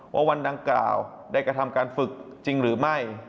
วันดังกล่าวได้กระทำการฝึกจริงหรือไม่